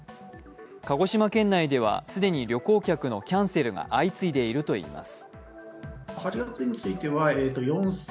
鹿児島県内では既に旅行客のキャンセルが相次いでいるといいます。